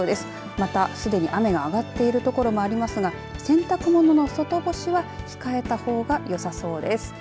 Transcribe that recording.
また、すでに雨が上がっている所もありますが洗濯物の外干しは控えたほうがよさそうです。